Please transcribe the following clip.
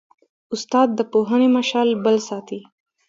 استاد د پوهنې مشعل بل ساتي.